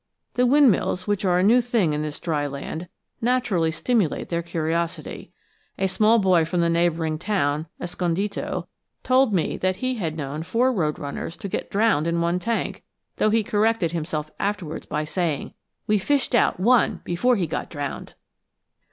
The windmills, which are a new thing in this dry land, naturally stimulate their curiosity. A small boy from the neighboring town Escondido told me that he had known four road runners to get drowned in one tank; though he corrected himself afterwards by saying, "We fished out one before he got drowned!"